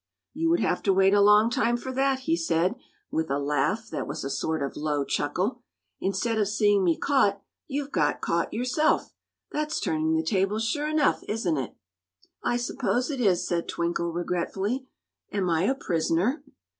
"You would have to wait a long time for that," he said, with a laugh that was a sort of low chuckle. "Instead of seeing me caught, you've got caught yourself. That's turning the tables, sure enough; isn't it?" "I suppose it is," said Twinkle, regretfully. "Am I a prisoner?"